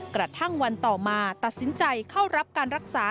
กระทั่งวันต่อมาตัดสินใจเข้ารับการรักษา